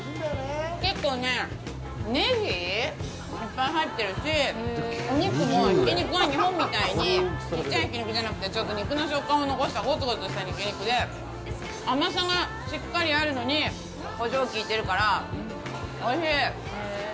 結構ね、ネギ？いっぱい入ってるし、お肉もひき肉は、日本みたいに小さいひき肉じゃなくて、ちょっと肉の食感を残したゴツゴツとしたひき肉で、甘さがしっかりあるのに胡椒が効いてるから、おいしい！